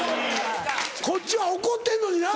こっちは怒ってんのにな。